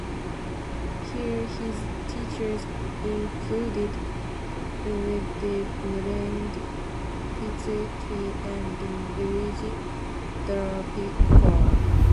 Here his teachers included Ildebrando Pizzetti and Luigi Dallapiccola.